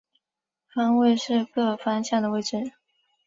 方位是各方向的位置。